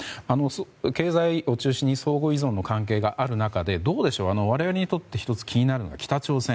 経済を中心に相互依存の関係がある中でどうでしょう、我々にとって１つ気になるのは北朝鮮。